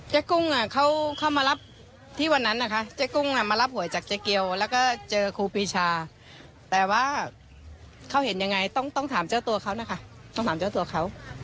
กุ้งเขาเข้ามารับที่วันนั้นนะคะเจ๊กุ้งมารับหวยจากเจ๊เกียวแล้วก็เจอครูปีชาแต่ว่าเขาเห็นยังไงต้องถามเจ้าตัวเขานะคะต้องถามเจ้าตัวเขา